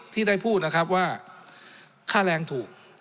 ที่ได้พูดนะครับว่าค่าแรงถูก